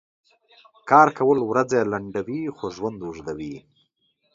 کار کؤل ؤرځې لنډؤي خو ژؤند اوږدؤي .